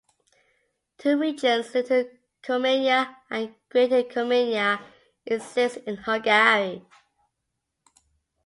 Two regions - Little Cumania and Greater Cumania - exist in Hungary.